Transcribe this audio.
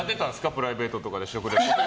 プライベートとかで食リポ。